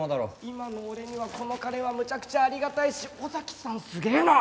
今の俺にはこの金はむちゃくちゃありがたいし尾崎さんすげえな！